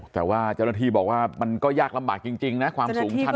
แต่ว่าเจ้าหน้าที่บอกว่ามันก็ยากลำบากจริงนะความสูงชัน